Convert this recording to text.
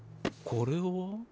これは？